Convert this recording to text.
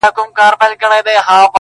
• پلار یې وښوروی سر و یې خندله,